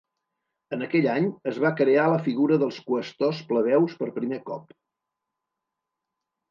En aquell any es va crear la figura dels qüestors plebeus per primer cop.